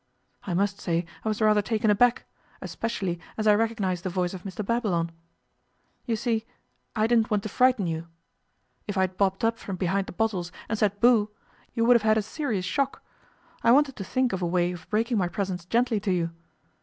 I must say I was rather taken aback, especially as I recognized the voice of Mr Babylon. You see, I didn't want to frighten you. If I had bobbed up from behind the bottles and said "Booh!" you would have had a serious shock. I wanted to think of a way of breaking my presence gently to you.